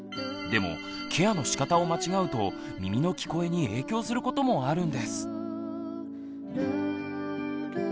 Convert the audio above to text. でもケアのしかたを間違うと耳の「聞こえ」に影響することもあるんです。